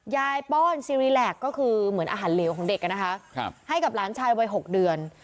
ยายป้อนก็คือเหมือนอาหารเหลวของเด็กอ่ะนะคะครับให้กับร้านชายไว้หกเดือน